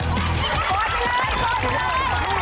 ปลอดภัยปลอดภัย